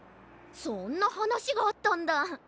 そんなはなしがあったんだ。